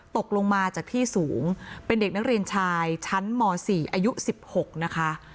ตกลงมาจากที่สูงเป็นเด็กนักเรียนชายชั้นม๔อายุ๑๖นะคะ